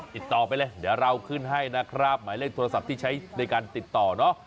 ติดต่อไปเลยเดี๋ยวเราขึ้นให้นะครับหมายเลขโทรศัพท์ที่ใช้ในการติดต่อเนาะ